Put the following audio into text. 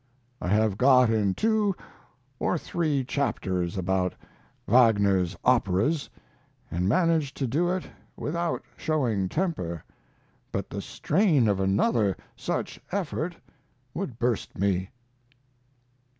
I have got in two or three chapters about Wagner's operas, and managed to do it without showing temper, but the strain of another such effort would burst me.